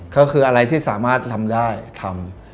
ก็คืออะไรที่สามารถทำได้ทำ